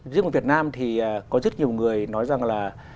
riêng việt nam thì có rất nhiều người nói rằng là